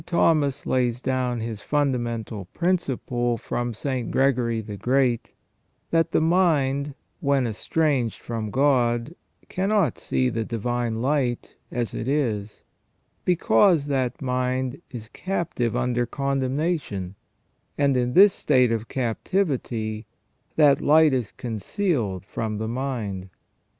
Thomas lays down his fundamental principle from St. Gregory the Great, that the mind when estranged from God cannot see the divine light as it is, because that mind is captive under condemnation, and in this state of captivity that light is concealed from the mind.